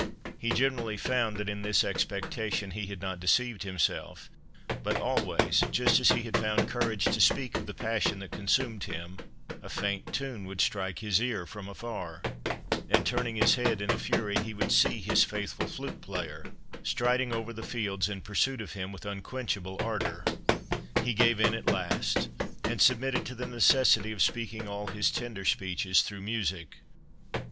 He generally found that in this expectation he had not deceived himself; but, always, just as he had found courage to speak of the passion that consumed him, a faint tune would strike his ear from afar, and, turning his head in a fury, he would see his faithful flute player striding over the fields in pursuit of him with unquenchable ardour. He gave in at last, and submitted to the necessity of speaking all his tender speeches "through music."